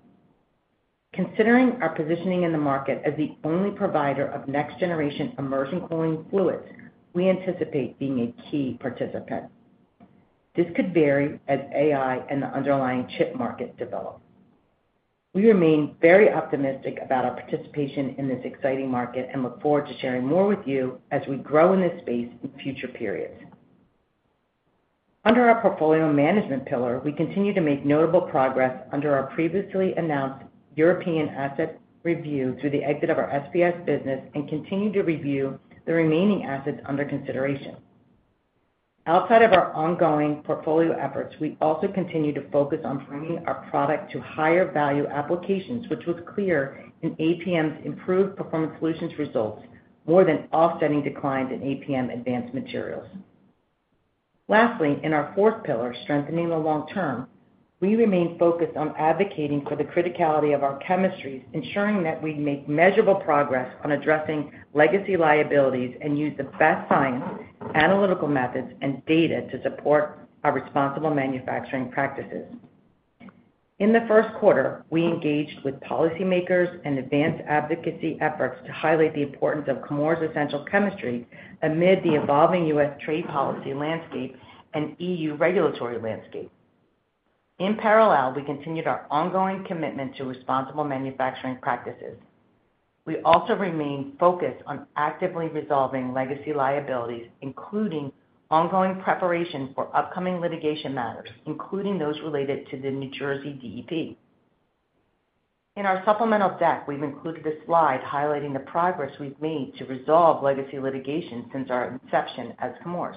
Considering our positioning in the market as the only provider of next-generation immersion cooling fluids, we anticipate being a key participant. This could vary as AI and the underlying chip market develop. We remain very optimistic about our participation in this exciting market and look forward to sharing more with you as we grow in this space in future periods. Under our Portfolio Management pillar, we continue to make notable progress under our previously announced European asset review through the exit of our SPS business and continue to review the remaining assets under consideration. Outside of our ongoing portfolio efforts, we also continue to focus on bringing our product to higher value applications, which was clear in APM's improved performance solutions results more than offsetting declines in APM advanced materials. Lastly, in our fourth pillar, Strengthening the Long Term, we remain focused on advocating for the criticality of our chemistries, ensuring that we make measurable progress on addressing legacy liabilities and use the best science, analytical methods, and data to support our responsible manufacturing practices. In the first quarter, we engaged with policymakers and advanced advocacy efforts to highlight the importance of Chemours' essential chemistry amid the evolving U.S. trade policy landscape and EU regulatory landscape. In parallel, we continued our ongoing commitment to responsible manufacturing practices. We also remain focused on actively resolving legacy liabilities, including ongoing preparation for upcoming litigation matters, including those related to the New Jersey DEP. In our supplemental deck, we've included a slide highlighting the progress we've made to resolve legacy litigation since our inception as Chemours.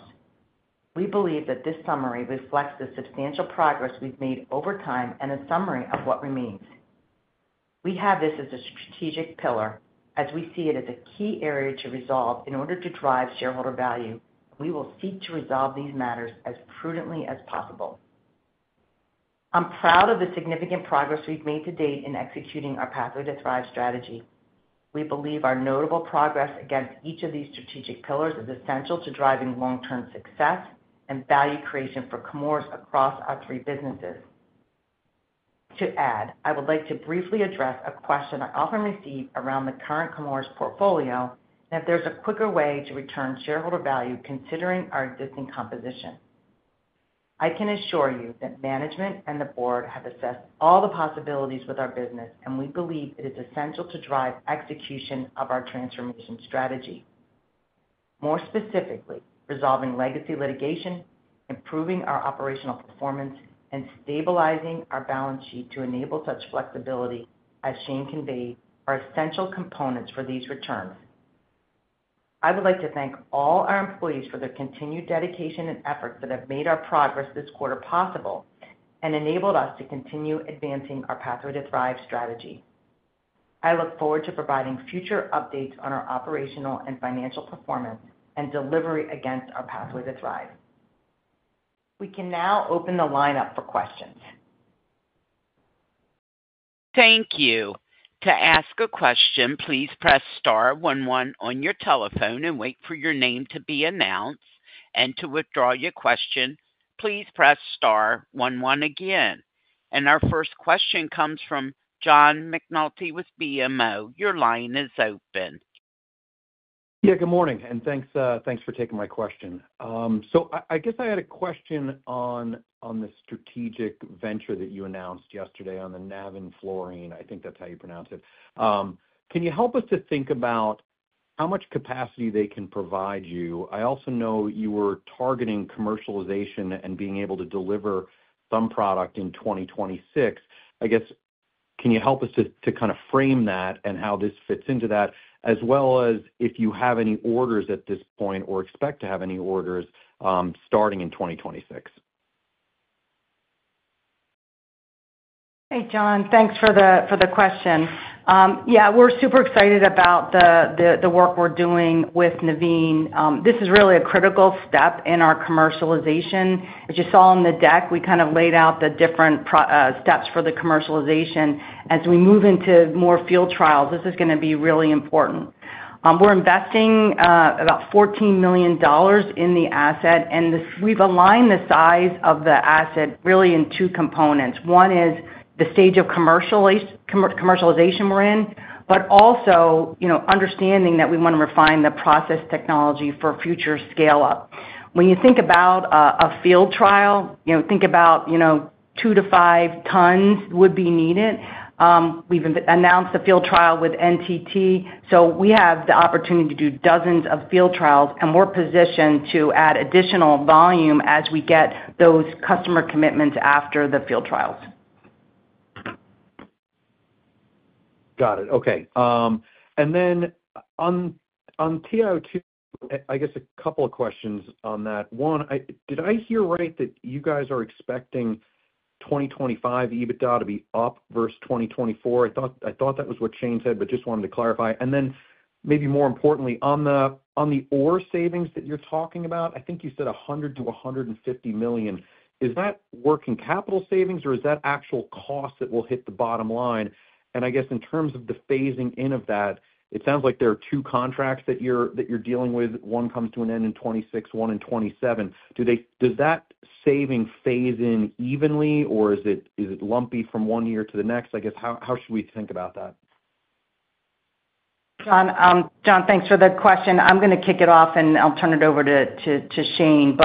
We believe that this summary reflects the substantial progress we've made over time and a summary of what remains. We have this as a strategic pillar as we see it as a key area to resolve in order to drive shareholder value, and we will seek to resolve these matters as prudently as possible. I'm proud of the significant progress we've made to date in executing our Pathway to Thrive strategy. We believe our notable progress against each of these strategic pillars is essential to driving long-term success and value creation for Chemours across our three businesses. To add, I would like to briefly address a question I often receive around the current Chemours portfolio and if there is a quicker way to return shareholder value considering our existing composition. I can assure you that management and the board have assessed all the possibilities with our business, and we believe it is essential to drive execution of our transformation strategy. More specifically, resolving legacy litigation, improving our operational performance, and stabilizing our balance sheet to enable such flexibility, as Shane conveyed, are essential components for these returns. I would like to thank all our employees for their continued dedication and efforts that have made our progress this quarter possible and enabled us to continue advancing our Pathway to Thrive strategy. I look forward to providing future updates on our operational and financial performance and delivery against our Pathway to Thrive. We can now open the lineup for questions. Thank you. To ask a question, please press * 11 on your telephone and wait for your name to be announced. To withdraw your question, please press * 11 again. Our first question comes from John McNulty with BMO. Your line is open. Yeah, good morning, and thanks for taking my question. I guess I had a question on the strategic venture that you announced yesterday on the Navin Fluorine. I think that's how you pronounce it. Can you help us to think about how much capacity they can provide you? I also know you were targeting commercialization and being able to deliver some product in 2026. I guess, can you help us to kind of frame that and how this fits into that, as well as if you have any orders at this point or expect to have any orders starting in 2026? Hey, John, thanks for the question. Yeah, we're super excited about the work we're doing with Navin. This is really a critical step in our commercialization. As you saw in the deck, we kind of laid out the different steps for the commercialization. As we move into more field trials, this is going to be really important. We're investing about $14 million in the asset, and we've aligned the size of the asset really in two components. One is the stage of commercialization we're in, but also understanding that we want to refine the process technology for future scale-up. When you think about a field trial, think about two to five tons would be needed. We've announced a field trial with NTT, so we have the opportunity to do dozens of field trials, and we're positioned to add additional volume as we get those customer commitments after the field trials. Got it. Okay. And then on TiO2, I guess a couple of questions on that. One, did I hear right that you guys are expecting 2025 EBITDA to be up versus 2024? I thought that was what Shane said, but just wanted to clarify. And then maybe more importantly, on the ore savings that you're talking about, I think you said $100 million-$150 million. Is that working capital savings, or is that actual costs that will hit the bottom line? I guess in terms of the phasing in of that, it sounds like there are two contracts that you're dealing with. One comes to an end in 2026, one in 2027. Does that saving phase in evenly, or is it lumpy from one year to the next? I guess how should we think about that? John, thanks for the question. I'm going to kick it off, and I'll turn it over to Shane.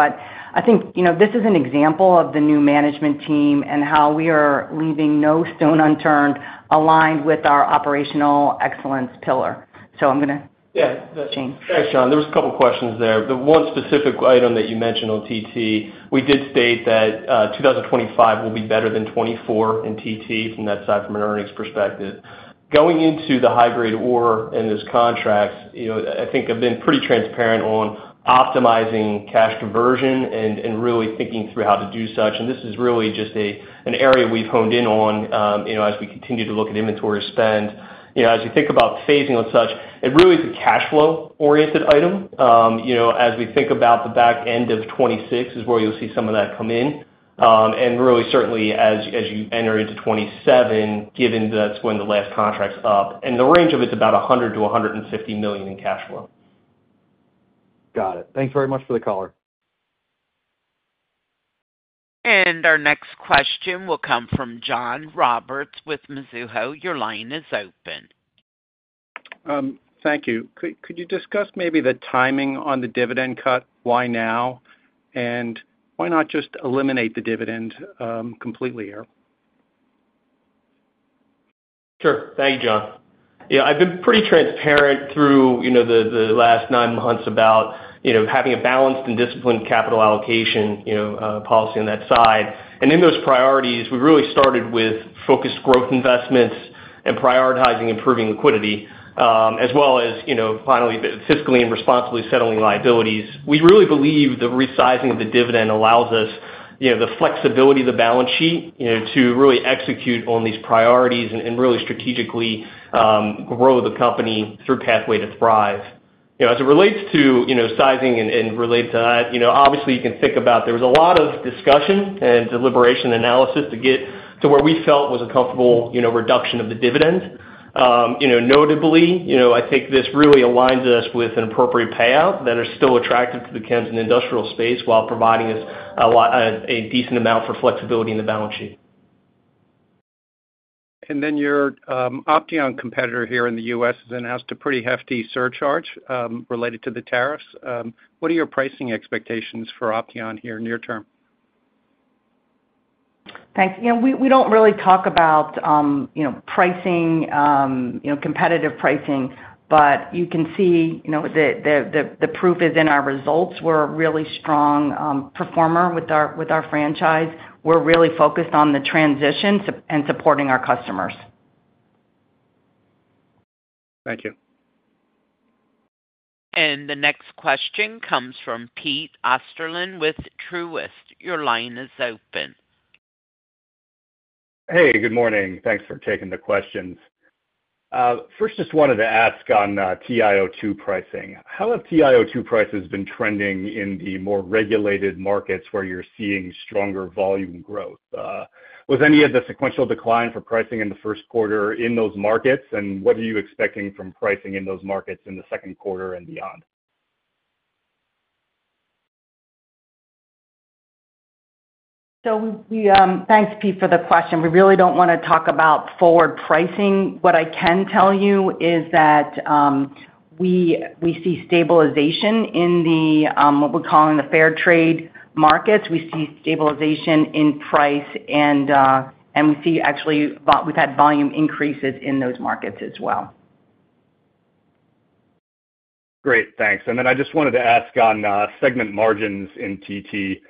I think this is an example of the new management team and how we are leaving no stone unturned aligned with our operational excellence pillar. I'm going to— Yeah. Thanks, John. There were a couple of questions there. The one specific item that you mentioned on TT, we did state that 2025 will be better than 2024 in TT from that side from an earnings perspective. Going into the high-grade ore and those contracts, I think I've been pretty transparent on optimizing cash conversion and really thinking through how to do such. This is really just an area we've honed in on as we continue to look at inventory spend. As you think about phasing with such, it really is a cash flow-oriented item. As we think about the back end of 2026 is where you'll see some of that come in. Really, certainly, as you enter into 2027, given that's when the last contract's up. The range of it's about $100 million-$150 million in cash flow. Got it. Thanks very much for the caller. Our next question will come from John Roberts with Mizuho. Your line is open. Thank you. Could you discuss maybe the timing on the dividend cut? Why now? Why not just eliminate the dividend completely here? Sure. Thank you, John. Yeah, I've been pretty transparent through the last nine months about having a balanced and disciplined capital allocation policy on that side. In those priorities, we really started with focused growth investments and prioritizing improving liquidity, as well as finally fiscally and responsibly settling liabilities. We really believe the resizing of the dividend allows us the flexibility of the balance sheet to really execute on these priorities and really strategically grow the company through Pathway to Thrive. As it relates to sizing and related to that, obviously, you can think about there was a lot of discussion and deliberation analysis to get to where we felt was a comfortable reduction of the dividend. Notably, I think this really aligns us with an appropriate payout that is still attractive to the chems in the industrial space while providing us a decent amount for flexibility in the balance sheet. Your Opteon competitor here in the U.S. has announced a pretty hefty surcharge related to the tariffs. What are your pricing expectations for Opteon here near term? Thanks. We do not really talk about pricing, competitive pricing, but you can see the proof is in our results. We are a really strong performer with our franchise. We are really focused on the transition and supporting our customers. Thank you. The next question comes from Pete Osterland with Truist. Your line is open. Hey, good morning. Thanks for taking the questions. First, just wanted to ask on TiO2 pricing. How have TiO2 prices been trending in the more regulated markets where you are seeing stronger volume growth? Was any of the sequential decline for pricing in the first quarter in those markets, and what are you expecting from pricing in those markets in the second quarter and beyond? Thanks, Pete, for the question. We really do not want to talk about forward pricing. What I can tell you is that we see stabilization in what we are calling the fair trade markets. We see stabilization in price, and we see actually we have had volume increases in those markets as well. Great. Thanks. I just wanted to ask on segment margins in TT.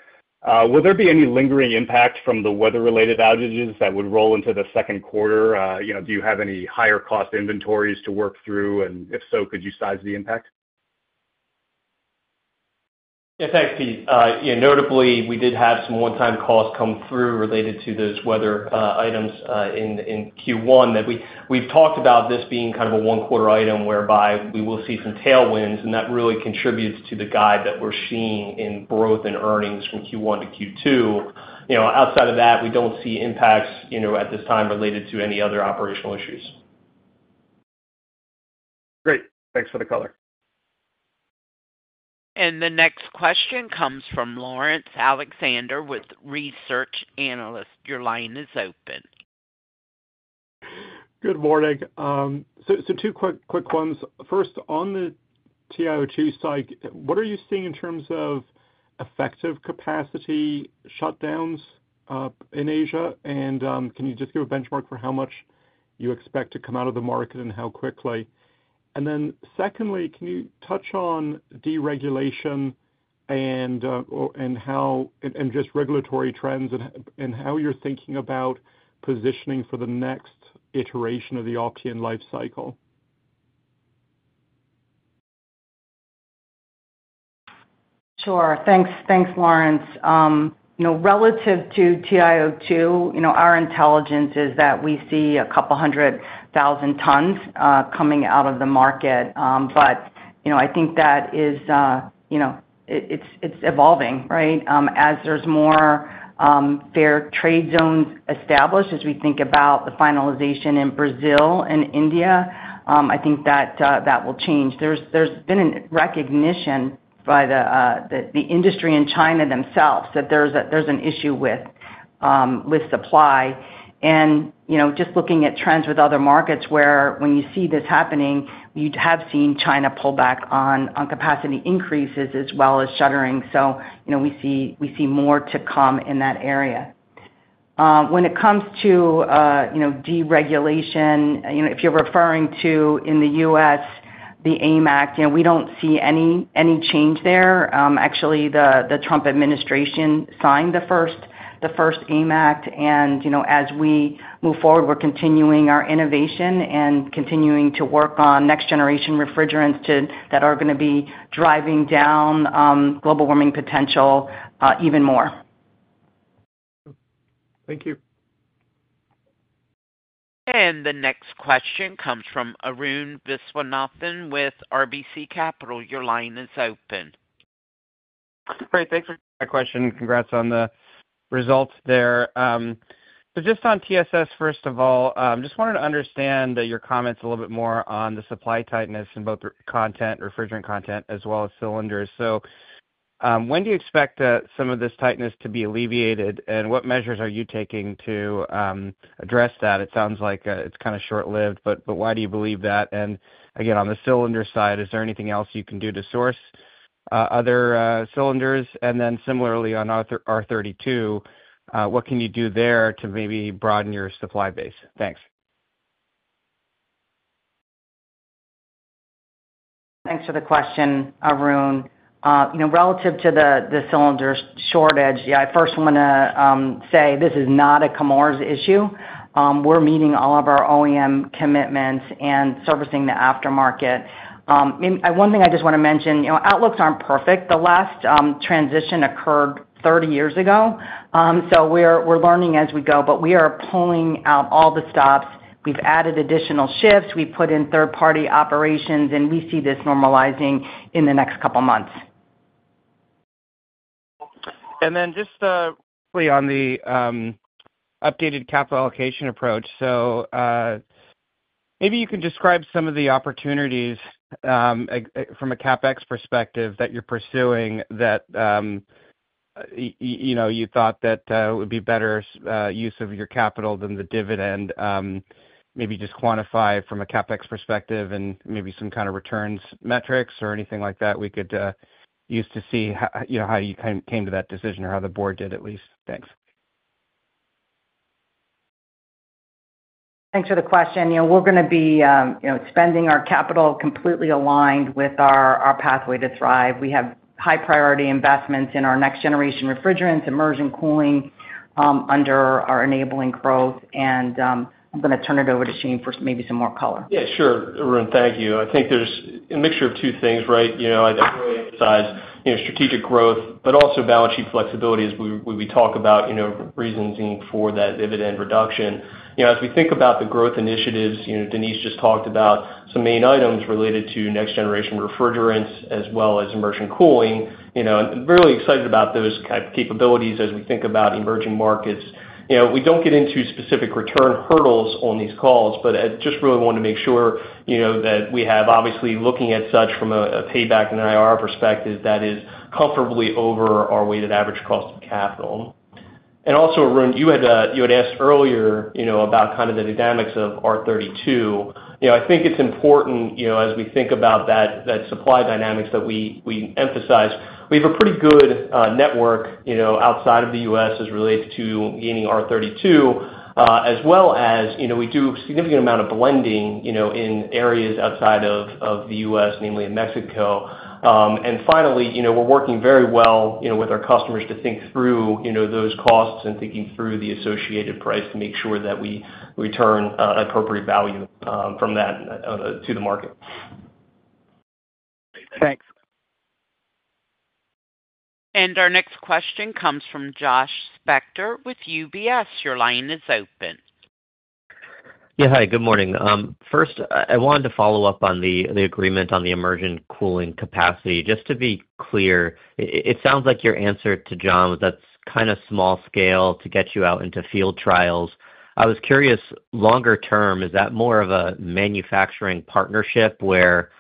Will there be any lingering impact from the weather-related outages that would roll into the second quarter? Do you have any higher-cost inventories to work through? If so, could you size the impact? Yeah, thanks, Pete. Notably, we did have some one-time costs come through related to those weather items in Q1. We've talked about this being kind of a one-quarter item whereby we will see some tailwinds, and that really contributes to the guide that we're seeing in growth and earnings from Q1 to Q2. Outside of that, we don't see impacts at this time related to any other operational issues. Great. Thanks for the color. The next question comes from Laurence Alexander with Research Analyst. Your line is open. Good morning. Two quick ones. First, on the TiO2 side, what are you seeing in terms of effective capacity shutdowns in Asia? Can you just give a benchmark for how much you expect to come out of the market and how quickly? Secondly, can you touch on deregulation and just regulatory trends and how you're thinking about positioning for the next iteration of the Opteon lifecycle? Sure. Thanks, Laurence. Relative to TiO2, our intelligence is that we see a couple hundred thousand tons coming out of the market. I think that it's evolving, right? As there's more fair trade zones established, as we think about the finalization in Brazil and India, I think that that will change. There's been a recognition by the industry in China themselves that there's an issue with supply. Just looking at trends with other markets where when you see this happening, you have seen China pull back on capacity increases as well as shuttering. We see more to come in that area. When it comes to deregulation, if you're referring to in the U.S., the AIM Act, we don't see any change there. Actually, the Trump administration signed the first AIM Act. As we move forward, we're continuing our innovation and continuing to work on next-generation refrigerants that are going to be driving down global warming potential even more. Thank you. The next question comes from Arun Viswanathan with RBC Capital. Your line is open. Great. Thanks for the question. Congrats on the results there. Just on TSS, first of all, I just wanted to understand your comments a little bit more on the supply tightness in both content, refrigerant content, as well as cylinders. When do you expect some of this tightness to be alleviated, and what measures are you taking to address that? It sounds like it's kind of short-lived, but why do you believe that? Again, on the cylinder side, is there anything else you can do to source other cylinders? Then similarly, on R32, what can you do there to maybe broaden your supply base? Thanks. Thanks for the question, Arun. Relative to the cylinder shortage, I first want to say this is not a Chemours issue. We're meeting all of our OEM commitments and servicing the aftermarket. One thing I just want to mention, outlooks aren't perfect. The last transition occurred 30 years ago. We're learning as we go, but we are pulling out all the stops. We've added additional shifts. We've put in third-party operations, and we see this normalizing in the next couple of months. Then just on the updated capital allocation approach, maybe you can describe some of the opportunities from a CapEx perspective that you're pursuing that you thought that it would be better use of your capital than the dividend. Maybe just quantify from a CapEx perspective and maybe some kind of returns metrics or anything like that we could use to see how you came to that decision or how the board did, at least. Thanks. Thanks for the question. We're going to be spending our capital completely aligned with our pathway to thrive. We have high-priority investments in our next-generation refrigerants, emerging cooling under our enabling growth. I'm going to turn it over to Shane for maybe some more color. Yeah, sure. Arun, thank you. I think there's a mixture of two things, right? I'd really emphasize strategic growth, but also balance sheet flexibility as we talk about reasons for that dividend reduction. As we think about the growth initiatives, Denise just talked about some main items related to next-generation refrigerants as well as emerging cooling. I'm really excited about those capabilities as we think about emerging markets. We do not get into specific return hurdles on these calls, but I just really want to make sure that we have, obviously, looking at such from a payback and IR perspective that is comfortably over our weighted average cost of capital. Also, Arun, you had asked earlier about kind of the dynamics of R32. I think it is important as we think about that supply dynamics that we emphasize. We have a pretty good network outside of the U.S. as related to gaining R32, as well as we do a significant amount of blending in areas outside of the U.S., namely in Mexico. Finally, we are working very well with our customers to think through those costs and thinking through the associated price to make sure that we return appropriate value from that to the market. Thanks. Our next question comes from Josh Spector with UBS. Your line is open. Yeah, hi. Good morning. First, I wanted to follow up on the agreement on the emerging cooling capacity. Just to be clear, it sounds like your answer to John was that's kind of small scale to get you out into field trials. I was curious, longer term, is that more of a manufacturing partnership where you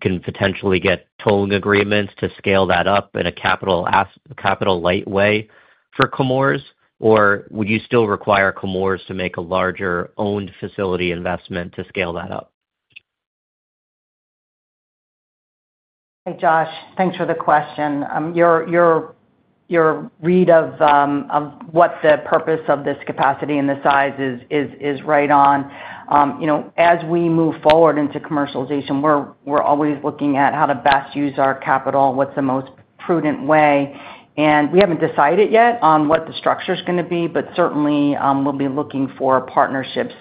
can potentially get tolling agreements to scale that up in a capital-light way for Chemours, or would you still require Chemours to make a larger owned facility investment to scale that up? Hey, Josh, thanks for the question. Your read of what the purpose of this capacity and the size is right on. As we move forward into commercialization, we're always looking at how to best use our capital, what's the most prudent way. We have not decided yet on what the structure is going to be, but certainly, we will be looking for partnerships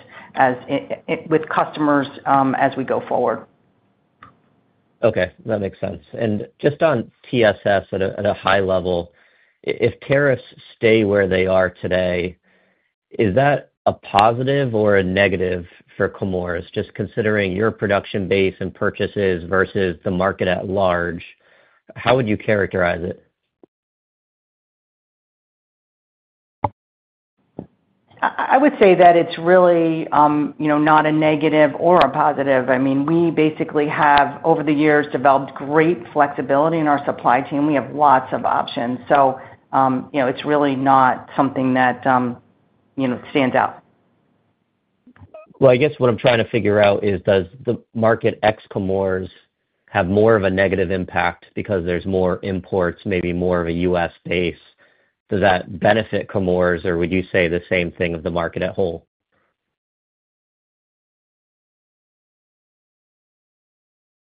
with customers as we go forward. Okay. That makes sense. Just on TSS at a high level, if tariffs stay where they are today, is that a positive or a negative for Chemours? Just considering your production base and purchases versus the market at large, how would you characterize it? I would say that it is really not a negative or a positive. I mean, we basically have, over the years, developed great flexibility in our supply chain. We have lots of options. It is really not something that stands out. I guess what I am trying to figure out is, does the market ex-Chemours have more of a negative impact because there are more imports, maybe more of a U.S. base? Does that benefit Chemours, or would you say the same thing of the market at whole?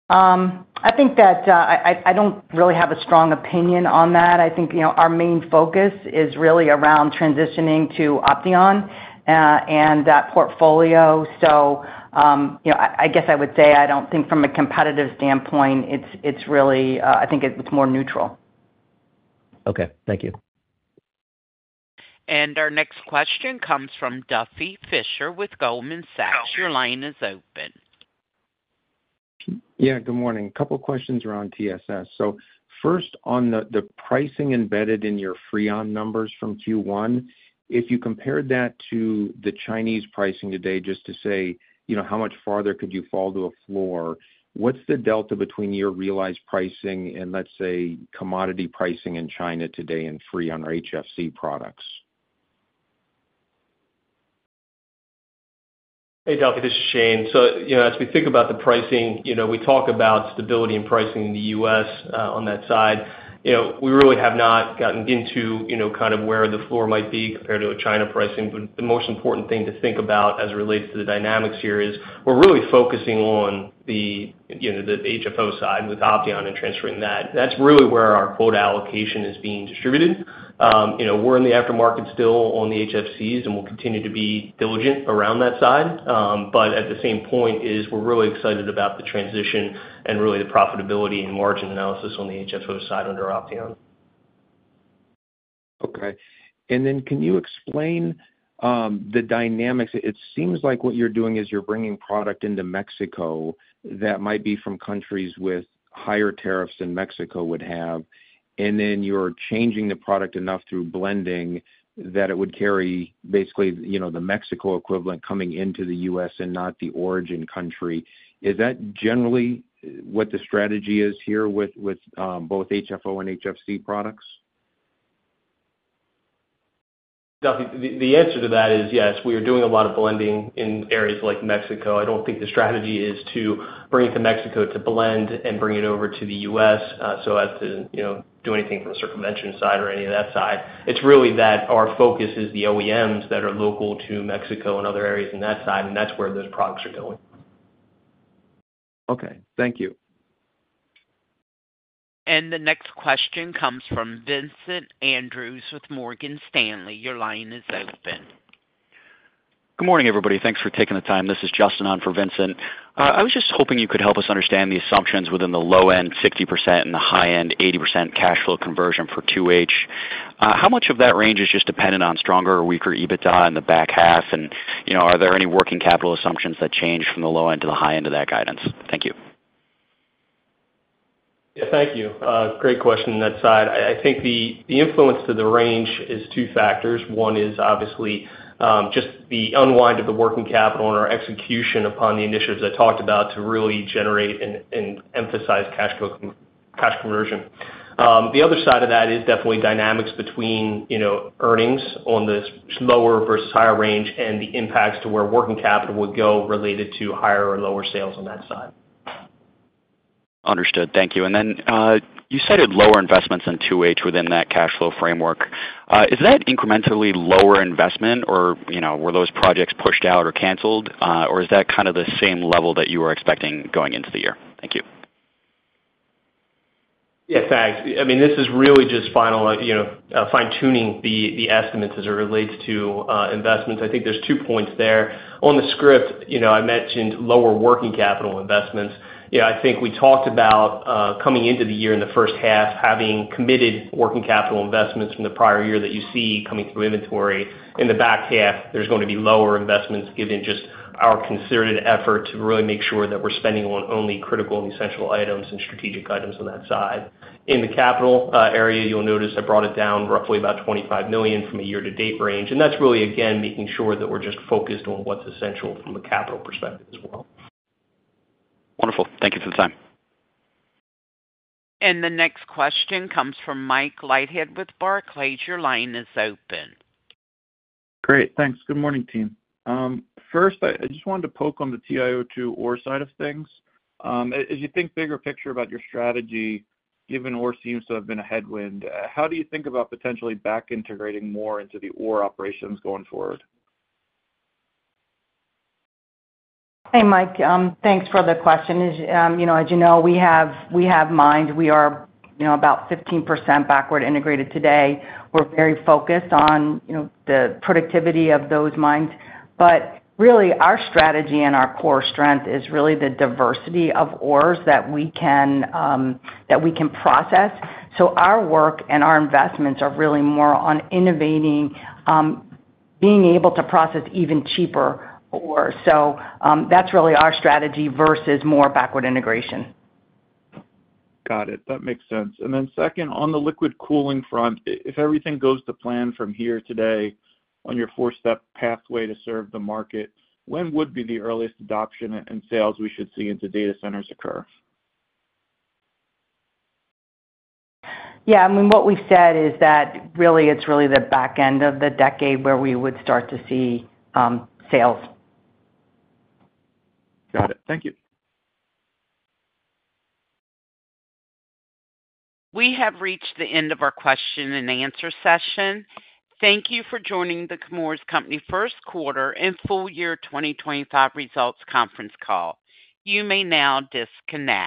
I think that I do not really have a strong opinion on that. I think our main focus is really around transitioning to Opteon and that portfolio. I guess I would say I do not think from a competitive standpoint, it is really, I think it is more neutral. Okay. Thank you. Our next question comes from Duffy Fischer with Goldman Sachs. Your line is open. Yeah, good morning. A couple of questions around TSS. First, on the pricing embedded in your Freon numbers from Q1, if you compared that to the Chinese pricing today, just to say how much farther could you fall to a floor, what is the delta between your realized pricing and, let us say, commodity pricing in China today in Freon or HFC products? Hey, Duffy, this is Shane. As we think about the pricing, we talk about stability and pricing in the U.S. on that side. We really have not gotten into kind of where the floor might be compared to a China pricing. The most important thing to think about as it relates to the dynamics here is we're really focusing on the HFO side with Opteon and transferring that. That's really where our quote allocation is being distributed. We're in the aftermarket still on the HFCs, and we'll continue to be diligent around that side. At the same point, we're really excited about the transition and really the profitability and margin analysis on the HFO side under Opteon. Okay. Can you explain the dynamics? It seems like what you're doing is you're bringing product into Mexico that might be from countries with higher tariffs than Mexico would have. You are changing the product enough through blending that it would carry basically the Mexico equivalent coming into the U.S. and not the origin country. Is that generally what the strategy is here with both HFO and HFC products? The answer to that is yes. We are doing a lot of blending in areas like Mexico. I do not think the strategy is to bring it to Mexico to blend and bring it over to the U.S. so as to do anything from a circumvention side or any of that side. It is really that our focus is the OEMs that are local to Mexico and other areas in that side, and that is where those products are going. Okay. Thank you. The next question comes from Vincent Andrews with Morgan Stanley. Your line is open. Good morning, everybody. Thanks for taking the time. This is Justin on for Vincent. I was just hoping you could help us understand the assumptions within the low-end 60% and the high-end 80% cash flow conversion for 2H. How much of that range is just dependent on stronger or weaker EBITDA in the back half? Are there any working capital assumptions that change from the low end to the high end of that guidance? Thank you. Yeah, thank you. Great question on that side. I think the influence to the range is two factors. One is obviously just the unwind of the working capital and our execution upon the initiatives I talked about to really generate and emphasize cash conversion. The other side of that is definitely dynamics between earnings on this lower versus higher range and the impacts to where working capital would go related to higher or lower sales on that side. Understood. Thank you. You cited lower investments in 2H within that cash flow framework. Is that incrementally lower investment, or were those projects pushed out or canceled, or is that kind of the same level that you were expecting going into the year? Thank you. Yeah, thanks. I mean, this is really just fine-tuning the estimates as it relates to investments. I think there are two points there. On the script, I mentioned lower working capital investments. I think we talked about coming into the year in the first half having committed working capital investments from the prior year that you see coming through inventory. In the back half, there are going to be lower investments given just our concerted effort to really make sure that we're spending on only critical and essential items and strategic items on that side. In the capital area, you'll notice I brought it down roughly about $25 million from a year-to-date range. That's really, again, making sure that we're just focused on what's essential from a capital perspective as well. Wonderful. Thank you for the time. The next question comes from Mike Lighthead with Barclays. Your line is open. Great. Thanks. Good morning, team. First, I just wanted to poke on the TiO2 ore side of things. As you think bigger picture about your strategy, given ore seems to have been a headwind, how do you think about potentially back-integrating more into the ore operations going forward? Hey, Mike. Thanks for the question. As you know, we have mined. We are about 15% backward integrated today. We're very focused on the productivity of those mines. Really, our strategy and our core strength is really the diversity of ores that we can process. Our work and our investments are really more on innovating, being able to process even cheaper ore. That's really our strategy versus more backward integration. Got it. That makes sense. Second, on the liquid cooling front, if everything goes to plan from here today on your four-step pathway to serve the market, when would be the earliest adoption and sales we should see into data centers occur? Yeah. I mean, what we've said is that really it's really the back end of the decade where we would start to see sales. Got it. Thank you. We have reached the end of our question and answer session. Thank you for joining the Chemours Company First Quarter and Full Year 2025 Results Conference Call. You may now disconnect.